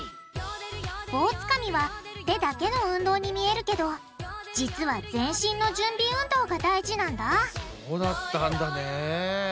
棒つかみは手だけの運動に見えるけど実は全身の準備運動が大事なんだそうだったんだね。